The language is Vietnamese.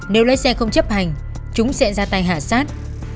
nếu lái xe không chấp hành chúng sẽ ra tay hạ sát